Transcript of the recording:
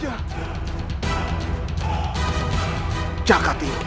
jangan lupa menemani kami